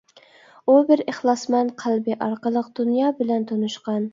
ئۇ بىر ئىخلاسمەن قەلبى ئارقىلىق دۇنيا بىلەن تونۇشقان.